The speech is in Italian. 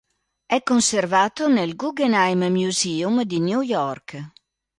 È conservato nel Guggenheim Museum di New York.